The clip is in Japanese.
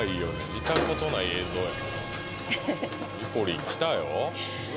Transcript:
見たことない映像やねミポリン来たよ